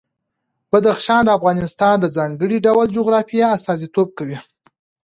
بدخشان د افغانستان د ځانګړي ډول جغرافیه استازیتوب کوي.